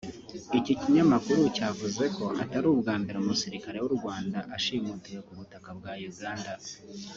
Iki kinyamakuru cyavuze ko atari ubwa mbere umusirikare w’u Rwanda ashimutiwe ku butaka bwa Uganda